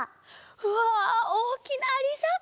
うわおおきなアリさん。